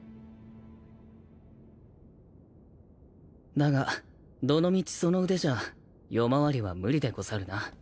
だがどのみちその腕じゃ夜回りは無理でござるな。